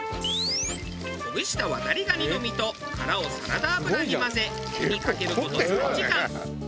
ほぐしたワタリガニの身と殻をサラダ油に混ぜ火にかける事３時間。